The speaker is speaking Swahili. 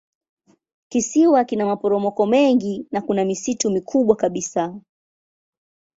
Kisiwa kina maporomoko mengi na kuna misitu mikubwa kabisa.